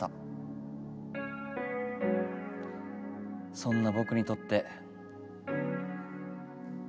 そんなぼくにとって。